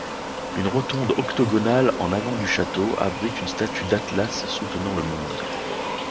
Une rotonde octogonale en avant du château abrite une statue d'Atlas soutenant le monde.